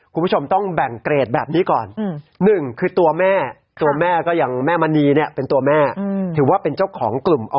คุณผู้ชมต้องแบ่งเกรดแบบนี้ก่อน